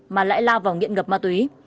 mà lại la vào nghiện ngập ma túy